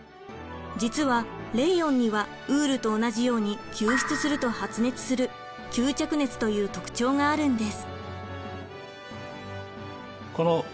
実はレーヨンにはウールと同じように吸湿すると発熱する吸着熱という特徴があるんです。